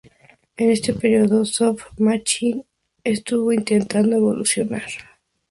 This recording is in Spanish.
En este período Soft Machine estuvo intentando evolucionar.